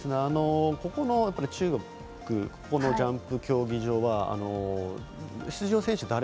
ここの中国のジャンプ競技場は出場選手